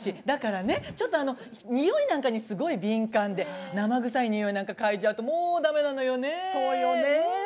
だからね、ちょっとにおいなんかに敏感で生臭いにおいなんかかいじゃうとだめなのよね。